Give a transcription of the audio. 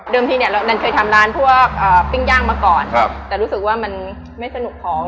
ทีเนี่ยดันเคยทำร้านพวกปิ้งย่างมาก่อนแต่รู้สึกว่ามันไม่สนุกของ